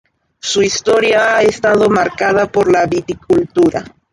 Su historia ha estado marcada por la viticultura.